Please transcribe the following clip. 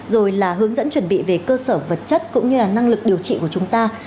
rồi là hướng dẫn chuẩn bị về cơ sở vật chất cũng như là năng lực điều trị của chúng ta